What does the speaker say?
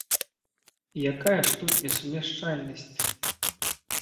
Якая ж тут несумяшчальнасць?